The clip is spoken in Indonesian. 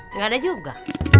gak ada juga